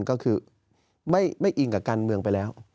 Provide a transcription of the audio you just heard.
ก็คือไม่อิงกับการเมืองไปแล้ว